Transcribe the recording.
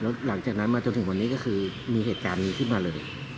แล้วหลังจากนั้นมาจนถึงวันนี้ก็คือมีเหตุการณ์นี้ขึ้นมาเลย